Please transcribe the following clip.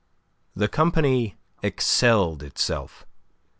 The company excelled itself.